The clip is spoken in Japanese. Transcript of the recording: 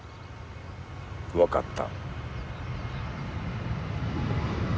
分かった。